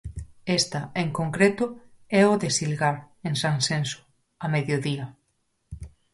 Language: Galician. Esta, en concreto, é o de Silgar, en Sanxenxo, a mediodía.